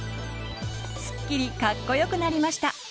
スッキリかっこよくなりました！